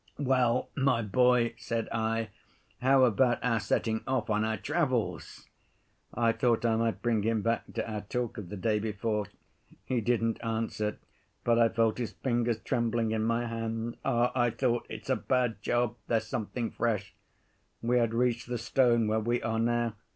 'Well, my boy,' said I, 'how about our setting off on our travels?' I thought I might bring him back to our talk of the day before. He didn't answer, but I felt his fingers trembling in my hand. Ah, I thought, it's a bad job; there's something fresh. We had reached the stone where we are now.